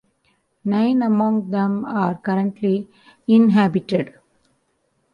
Nine among them are currently inhabited.